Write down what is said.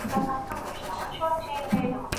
جمود د مطالعې د نشتوالي له امله رامنځته کېږي.